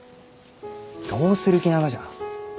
どうする気ながじゃ？